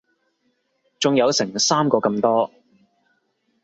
仲有成三個咁多